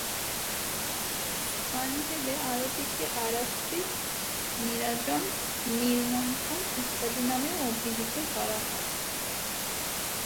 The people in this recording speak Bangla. স্থানভেদে আরতিকে আরাত্রিক, নীরাজন, নির্মন্থন ইত্যাদি নামেও অভিহিত করা হয়।